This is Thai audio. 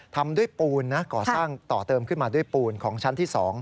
ทำด้วยปูนนะก่อสร้างต่อเติมขึ้นมาด้วยปูนของชั้นที่๒